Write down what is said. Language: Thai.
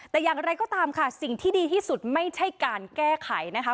แต่อย่างไรก็ตามค่ะสิ่งที่ดีที่สุดไม่ใช่การแก้ไขนะคะ